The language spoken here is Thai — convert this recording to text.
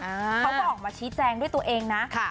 เขาก็ออกมาชี้แจงด้วยตัวเองนะ